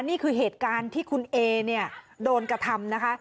นี่คือเหตุการณ์ที่คุณเอเนี่ยโดนกระทำนะคะ